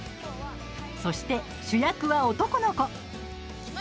そして、主役は男の子。